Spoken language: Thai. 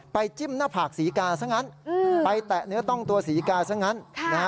จิ้มหน้าผากศรีกาซะงั้นไปแตะเนื้อต้องตัวศรีกาซะงั้น